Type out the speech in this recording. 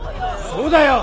そうだよ！